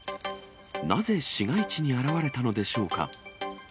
なぜ市街地に現れたのでしょうか。